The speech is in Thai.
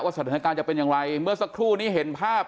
สถานการณ์จะเป็นอย่างไรเมื่อสักครู่นี้เห็นภาพ